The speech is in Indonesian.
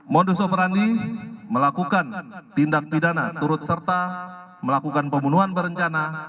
modus operandi melakukan tindak pidana turut serta melakukan pembunuhan berencana